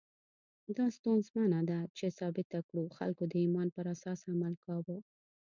دا ستونزمنه ده چې ثابته کړو خلکو د ایمان پر اساس عمل کاوه.